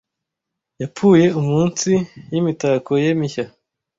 yapfuye munsi yimitako ye mishya